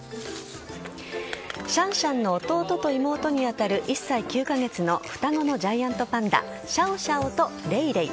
シャンシャンの弟と妹に当たる１歳９カ月の双子のジャイアントパンダシャオシャオとレイレイ。